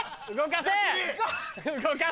動かせ！